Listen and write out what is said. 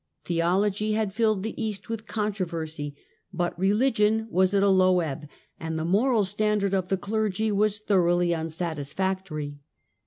Theology had filled the East with controversy, but religion was at a low ebb, and the moral standard of the clergy was thoroughly unsatisfactory.